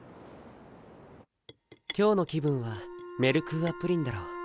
今日の気分はメルクーアプリンだろう